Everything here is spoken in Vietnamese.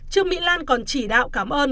trường mỹ lan còn chỉ đạo cảm ơn